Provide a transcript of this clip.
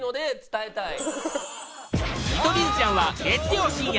『見取り図じゃん』は月曜深夜